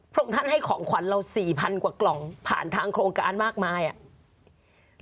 พระองค์ท่านให้ของขวัญเรา๔๐๐กว่ากล่องผ่านทางโครงการมากมายอ่ะ